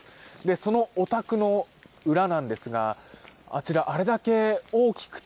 そのお宅の裏なんですがあれだけ大きくて